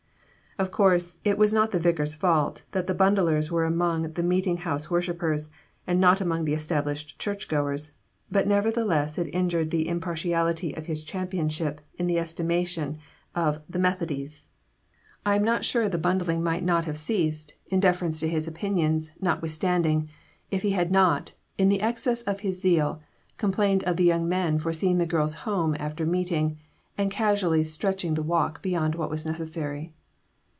Of course, it was not the vicar's fault that the bundlers were among the meeting house worshippers, and not among the established church goers, but nevertheless it injured the impartiality of his championship in the estimation of 'the Methodys.' I am not sure the bundling might not have ceased, in deference to his opinions, notwithstanding, if he had not, in the excess of his zeal, complained of the young men for seeing the girls home after meeting, and casually stretching the walk beyond what was necessary.